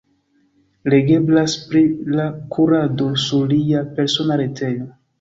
Legeblas pri la kurado sur lia persona retejo.